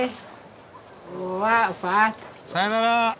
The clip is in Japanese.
さよなら。